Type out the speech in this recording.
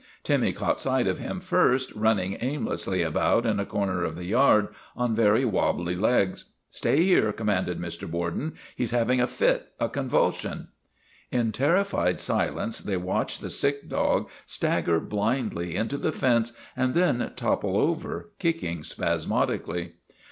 Timmy caught sight of him first, running aimlessly about in a corner of the yard on very wabbly legs. " Stay here," commanded Mr. Borden. " He 's having a fit, a convulsion." In terrified silence they watched the sick dog stagger blindly into the fence and then topple over, kicking spasmodically.